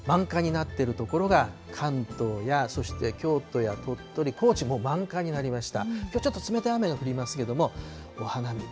満開になっている所が関東や、そして京都や鳥取、高知も満開になりました。